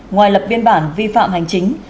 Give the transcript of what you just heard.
ngoài lập biên bản vi phạm hành chính